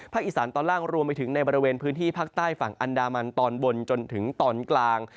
อีสานตอนล่างรวมไปถึงในบริเวณพื้นที่ภาคใต้ฝั่งอันดามันตอนบนจนถึงตอนกลาง